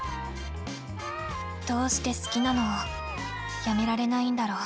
どうして好きなのをやめられないんだろう？